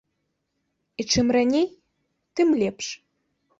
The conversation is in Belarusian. І чым раней, тым лепш.